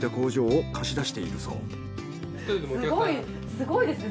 すごいですね。